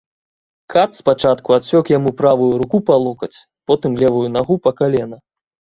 Кат спачатку адсек яму правую руку па локаць, потым левую нагу па калена.